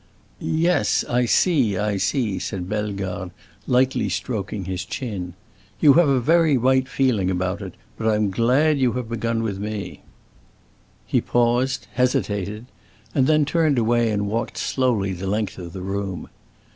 "Yes, I see—I see," said Bellegarde, lightly stroking his chin. "You have a very right feeling about it, but I'm glad you have begun with me." He paused, hesitated, and then turned away and walked slowly the length of the room.